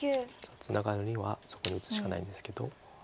ツナガるにはそこに打つしかないんですけど。